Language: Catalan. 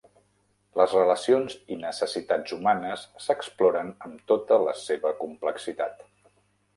Les relacions i necessitats humanes s'exploren amb tota la seva complexitat.